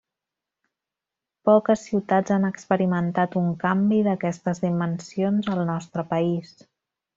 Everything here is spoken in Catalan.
Poques ciutats han experimentat un canvi d'aquestes dimensions al nostre país.